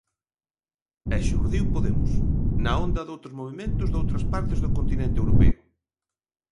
E xurdiu Podemos, na onda doutros movementos doutras partes do continente europeo.